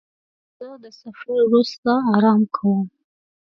زه د سفر وروسته آرام کوم.